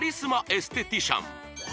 エステティシャン